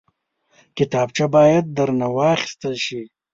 کتابچه باید درنه واخیستل شي